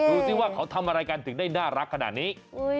ดูสิว่าเขาทำอะไรกันถึงได้น่ารักขนาดนี้